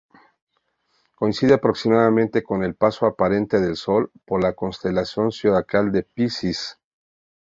Coincide aproximadamente con el paso aparente del Sol por la constelación zodiacal de Piscis.